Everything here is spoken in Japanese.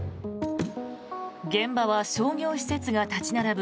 現場は商業施設が立ち並ぶ